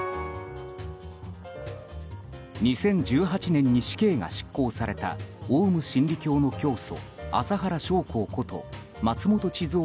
２０１８年に死刑が執行されたオウム真理教の教祖麻原彰晃こと松本智津夫